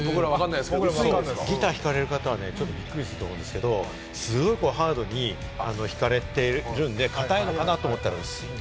ギター弾かれる方は分かると思うんですけれど、すごくハードに弾かれているんで、硬いのかなと思ったら、すごく薄い。